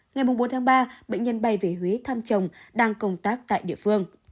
ngày bốn tháng ba bệnh nhân bay về huế thăm chồng đang công tác tại địa phương